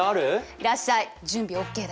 いらっしゃい！準備ＯＫだよ！